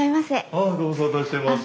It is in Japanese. あっご無沙汰してます。